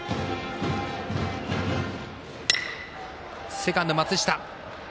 セカンド、松下。